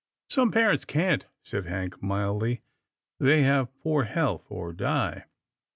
" Some parents can't," said Hank mildly. " They have poor health, or die."